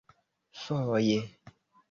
foje